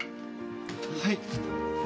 はい。